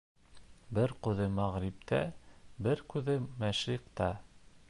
Бер күҙе мәғриптә, бер күҙе мәшриҡта.